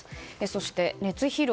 そして、熱疲労。